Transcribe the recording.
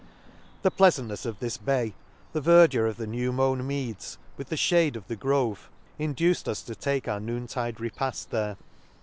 — The pleafantnefs of this bay, the ver dure of the new mown meads, with the fhade of the grove, induced us to take our noon tide repaft there.